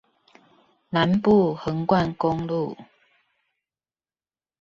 南部橫貫公路